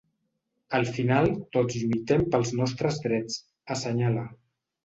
Al final tots lluitem pels nostres drets, assenyala.